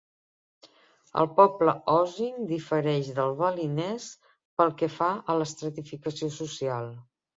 El poble osing difereix del balinès pel que fa a l'estratificació social.